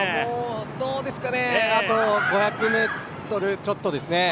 どうですかね、あと５００ｍちょっとですね。